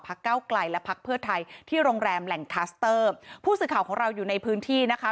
เก้าไกลและพักเพื่อไทยที่โรงแรมแหล่งคัสเตอร์ผู้สื่อข่าวของเราอยู่ในพื้นที่นะคะ